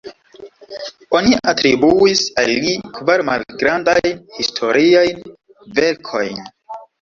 Oni atribuis al li kvar malgrandajn historiajn verkojn.